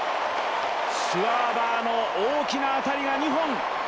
シュワーバーも大きな当たりが２本。